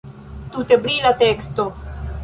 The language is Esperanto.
Tute brila teksto.